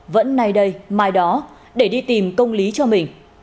vẫn nay đây mai đó để đi tìm công lý cho mình